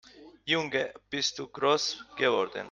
Junge, bist du groß geworden!